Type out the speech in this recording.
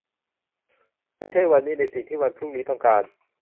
ไม่ใช้วันนี้ในสิ่งที่วันพรุ่งนี้ต้องการ